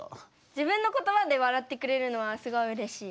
自分のことばで笑ってくれるのはすごいうれしい。